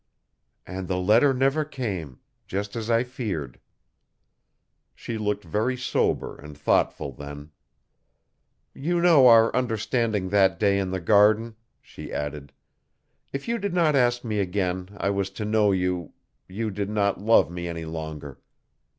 'And the letter never came just as I feared.' She looked very sober and thoughtful then. 'You know our understanding that day in the garden,' she added. 'If you did not ask me again I was to know you you did not love me any longer.